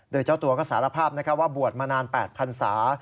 โดยเจ้าตัวก็สารภาพว่าบวชมานาน๘พันศา